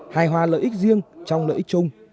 hài hòa lợi ích riêng trong lợi ích chung